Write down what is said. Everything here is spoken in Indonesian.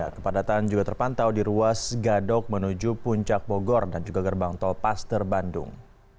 kepadatan juga terpantau di ruas gadok menuju puncak bogor dan juga gerbang tol paster bandung